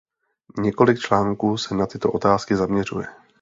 Několik článků se na tyto otázky zaměřuje.